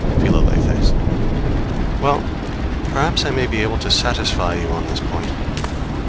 Philalethes. Well, perhaps I may be able to satisfy you on this point.